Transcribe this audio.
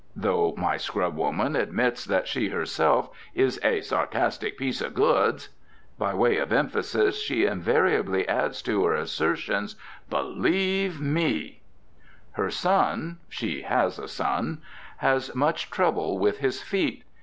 Though my scrubwoman admits that she herself is "a sarcastic piece of goods." By way of emphasis she invariably adds to her assertions, "Believe me!" Her son she has a son has much trouble with his feet.